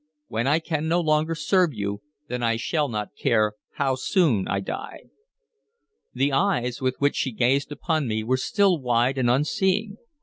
"When I can no longer serve you, then I shall not care how soon I die." The eyes with which she gazed upon me were still wide and unseeing.